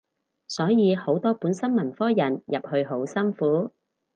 所以好多本身文科人入去好辛苦